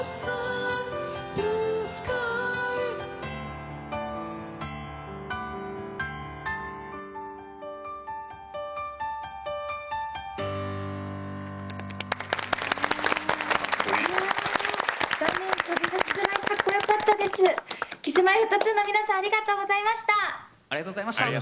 Ｋｉｓ‐Ｍｙ‐Ｆｔ２の皆さんありがとうございました。